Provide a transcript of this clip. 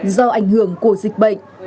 do ảnh hưởng của dịch bệnh